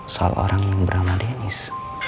soal orang yang berama dennis